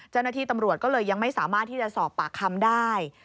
เจ้าหน้าที่ตำรวจก็เลยยังไม่สามารถที่จะสอบปากคำได้